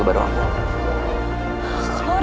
jangan ganggu keluarga baru aku